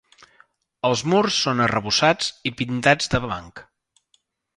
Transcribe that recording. Els murs són arrebossats i pintats de blanc.